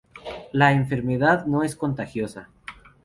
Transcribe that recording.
La enfermedad no es contagiosa.